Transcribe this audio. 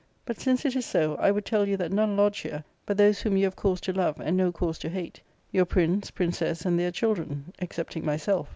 But since it is so, I would tell you that none lodge here but those whom you have cause to love, and no cause to hate — ^your prince, princess, and their children — excepting myself.